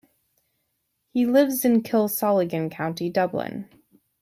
He lives in Kilsallaghan, County Dublin.